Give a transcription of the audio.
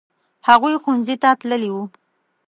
هغوی ښوونځي ته تللي وو.